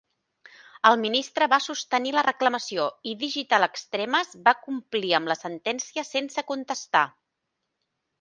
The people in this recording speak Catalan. El ministre va sostenir la reclamació i Digital Extremes va complir amb la sentència sense contestar.